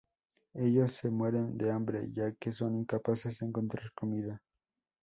Ellos se mueren de hambre, ya que son incapaces de encontrar comida.